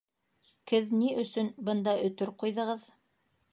Кеҙ ни өсөн бында өтөр ҡуйҙығыҙ?